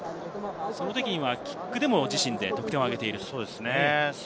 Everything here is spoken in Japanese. その時にはキックでも自身で得点を挙げています。